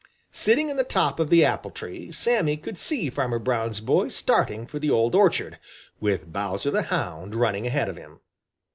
Sitting in the top of the apple tree, Sammy could see Farmer Brown's boy starting for the old orchard, with Bowser the Hound running ahead of him.